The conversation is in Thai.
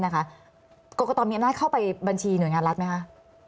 กรกตมีอำนาจเข้าไปบัญชีหน่วยงานรัฐไหมคะ